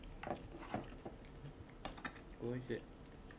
おいしい。